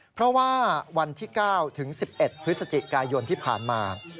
เพราะว่าวันที่๙ถึง๑๑พฤศจิกายนที่ผ่านมา